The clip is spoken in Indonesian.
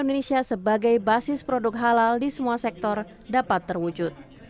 indonesia sebagai basis produk halal di semua sektor dapat terwujud